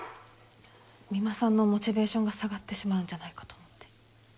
三馬さんのモチベーションが下がってしまうんじゃないかと思って。